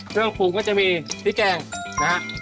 เนื่องถูกก็จะมีพริกแกร่งนะครับ